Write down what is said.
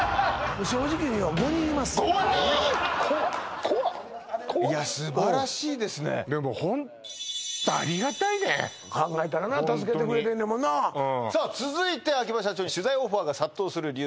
正直に言おうこわっこわっいやすばらしいですねでもホントありがたいね考えたらな助けてくれてんねんもんな続いて秋葉社長に取材オファーが殺到する理由